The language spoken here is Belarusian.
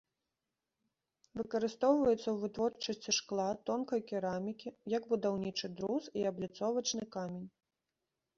Выкарыстоўваецца ў вытворчасці шкла, тонкай керамікі, як будаўнічы друз і абліцовачны камень.